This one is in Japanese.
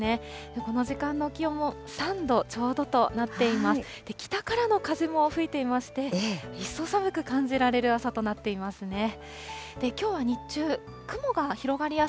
この時間の気温も３度ちょうどとなっています。